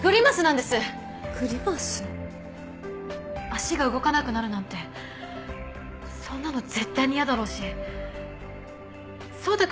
足が動かなくなるなんてそんなの絶対に嫌だろうし走太